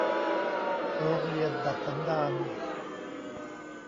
โรงเรียนดัดสันดาน